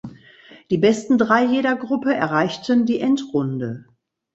Die besten drei jeder Gruppe erreichten die Endrunde.